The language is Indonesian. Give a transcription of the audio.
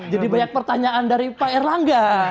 jadi banyak pertanyaan dari pak erlangga